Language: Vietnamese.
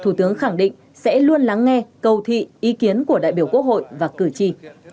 thủ tướng khẳng định sẽ luôn lắng nghe cầu thị ý kiến của đại biểu quốc hội và cử tri